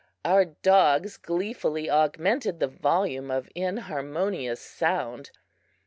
Our dogs gleefully augmented the volume of inharmonious sound.